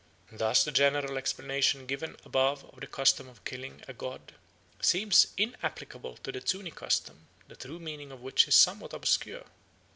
Thus the general explanation given above of the custom of killing a god seems inapplicable to the Zuni custom, the true meaning of which is somewhat obscure.